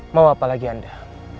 mau apa lagi anda